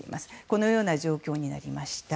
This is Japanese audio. このような状況になりました。